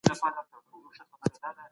سمه لارښوونه د محصلینو د بریا کیلي ده.